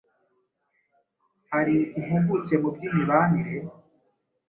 hari impuguke mu by’imibanire